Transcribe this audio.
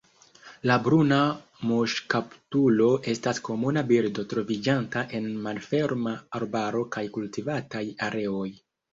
La Bruna muŝkaptulo estas komuna birdo troviĝanta en malferma arbaro kaj kultivataj areoj.